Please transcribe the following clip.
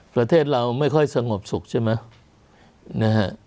ประเทศเราไม่ค่อยสงบสุขใช่ไหมนะฮะ